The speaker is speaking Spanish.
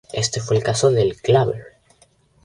Este fue el caso de Claver.